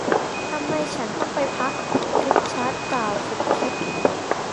ทำไม ฉันต้องไปพัก ริชาร์ดกล่าว ขบคิด